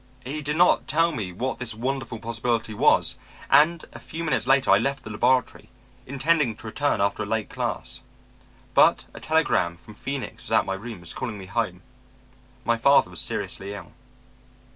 "He did not tell me what this wonderful possibility was, and a few minutes later I left the laboratory, intending to return after a late class. But a telegram from Phoenix was at my rooms, calling me home. My father was seriously ill.